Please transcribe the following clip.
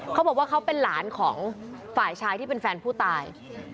เขาบอกว่าเขาเป็นหลานของฝ่ายชายที่เป็นแฟนผู้ตาย